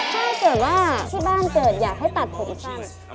ถ้าเกิดว่าที่บ้านเกิดอยากให้ตัดผมสั้น